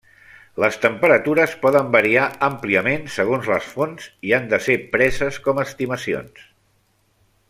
Les temperatures poden variar àmpliament segons les fonts, i han de ser preses com estimacions.